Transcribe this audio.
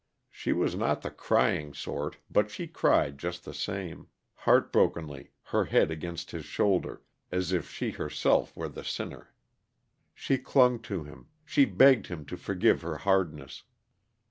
She was not the crying sort, but she cried, just the same heartbrokenly, her head against his shoulder, as if she herself were the sinner. She clung to him, she begged him to forgive her hardness.